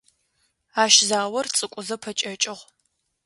Ащ заор цӀыкӀузэ пэкӏэкӏыгъ.